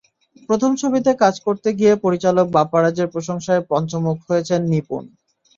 প্রথম ছবিতে কাজ করতে গিয়ে পরিচালক বাপ্পারাজের প্রশংসায় পঞ্চমুখ হয়েছেন নিপুণ।